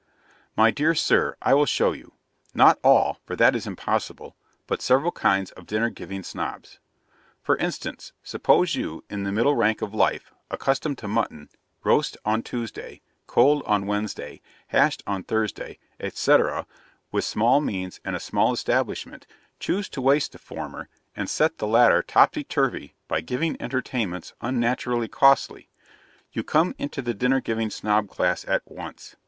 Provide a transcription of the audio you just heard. My dear sir, I will show you not all, for that is impossible but several kinds of Dinner giving Snobs. For instance, suppose you, in the middle rank of life, accustomed to Mutton, roast on Tuesday, cold on Wednesday, hashed on Thursday, &c., with small means and a small establishment, choose to waste the former and set the latter topsy turvy by giving entertainments unnaturally costly you come into the Dinner giving Snob class at once.